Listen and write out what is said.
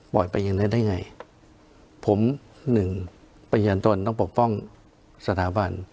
ปล่อยไปอย่างนั้นได้ไงผมหนึ่งเป็นอย่างต้นต้องปกป้องสถาบัน